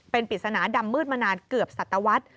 เป็นปริศนาดำมืดมานานเกือบสัตวรรษ